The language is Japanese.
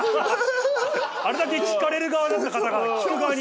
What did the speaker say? あれだけ聞かれる側だった方が聞く側に？